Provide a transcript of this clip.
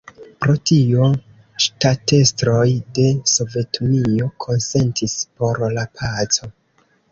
Pro tio ŝtatestroj de Sovetunio konsentis por la paco.